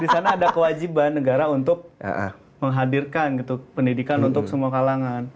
di sana ada kewajiban negara untuk menghadirkan pendidikan untuk semua kalangan